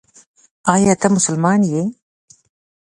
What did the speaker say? ایا ته مسلمان یې ؟